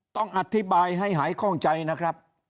ต้องอธิบายให้หายคล่องใจนะครับ